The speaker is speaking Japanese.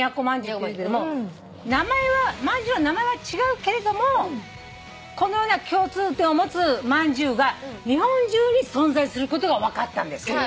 まんじゅうの名前は違うけれどもこのような共通点を持つまんじゅうが日本中に存在することが分かったんです。